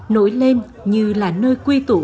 nổi lên như là nơi quy tụ